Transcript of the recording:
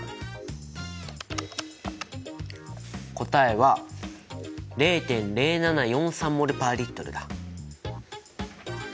答えは０．０７４３ｍｏｌ／Ｌだ。